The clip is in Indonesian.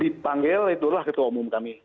dipanggil itulah ketua umum kami